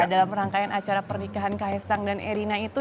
dalam rangkaian acara pernikahan kak hesang dan erina itu